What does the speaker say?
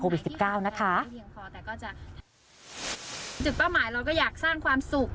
ประจำประหม่ายเราก็อยากสร้างความสุข